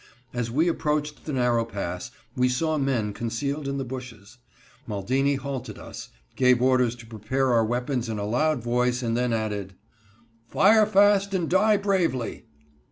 As we approached the narrow pass we saw men concealed in the bushes. Maldini halted us, gave orders to prepare our weapons in a loud voice, and then added: "Fire fast and die bravely."